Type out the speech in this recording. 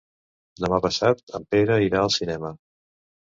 Demà passat en Pere irà al cinema.